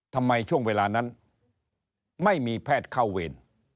ทำไมช่วงเวลานั้นไม่มีแพทย์เข้าเวร